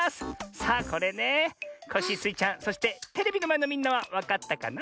さあこれねコッシースイちゃんそしてテレビのまえのみんなはわかったかな？